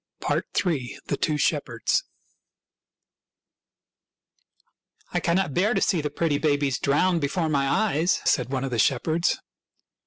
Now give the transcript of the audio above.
III. THE TWO SHEPHERDS " I cannot bear to see the pretty babes drown before my eyes," said one of the shepherds.